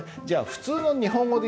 普通の日本語で？